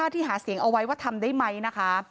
ที่หาเสียงเอาไว้ว่าทำได้ไหมนะคะ